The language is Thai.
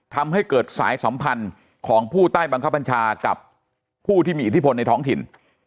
ทำให้เกิดสายสัมพันธ์ของผู้ใต้บังคับบัญชากับผู้ที่มีอิทธิพลในท้องถิ่น